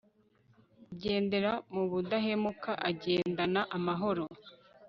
ugendera mu budahemuka, agendana amahoro